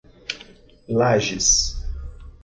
Lages